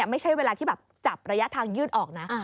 ไม่ใช่เวลาที่แบบจับระยะทางยืดออกนะ